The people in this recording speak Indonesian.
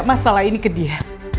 masalah ini ke dia